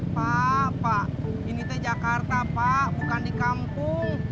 pak pak ini teh jakarta pak bukan di kampung